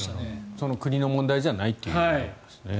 その国の問題じゃないということですね。